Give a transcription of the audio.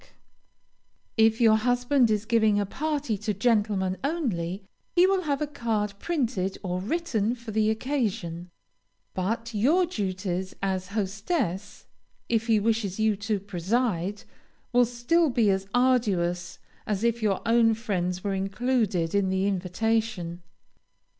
_ If your husband is giving a party to gentlemen only, he will have a card printed or written for the occasion, but your duties as hostess, if he wishes you to preside, will still be as arduous as if your own friends were included in the invitation.